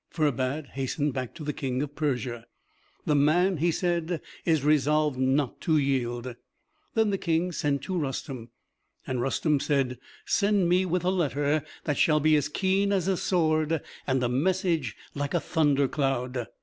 Ferbad hastened back to the King of Persia. "The man," he said, "is resolved not to yield." Then the King sent to Rustem. And Rustem said, "Send me with a letter that shall be as keen as a sword and a message like a thunder cloud."